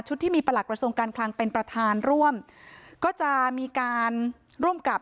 ที่มีประหลักกระทรวงการคลังเป็นประธานร่วมก็จะมีการร่วมกับ